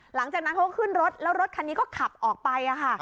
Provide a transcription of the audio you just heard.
หลังจากนั้นเขาก็ขึ้นรถแล้วรถคันนี้ก็ขับออกไปค่ะ